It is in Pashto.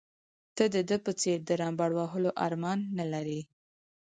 ته د ده په څېر د رمباړو وهلو ارمان نه لرې.